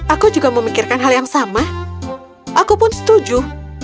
aku juga memikirkan hal yang sama aku pun setuju